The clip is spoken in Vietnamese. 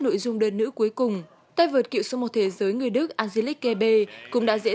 trung đơn nữ cuối cùng tay vợt cựu số một thế giới người đức angelique kebe cũng đã dễ